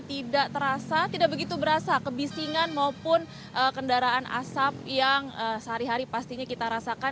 tidak terasa tidak begitu berasa kebisingan maupun kendaraan asap yang sehari hari pastinya kita rasakan